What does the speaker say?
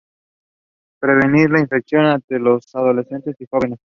Prevenir la infección entre los adolescentes y los jóvenes.